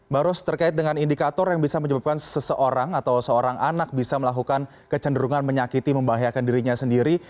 barus terkait dengan indikator yang bisa menyebabkan seseorang atau seorang anak bisa melakukan kecenderungan menyakiti membahayakan dirinya sendiri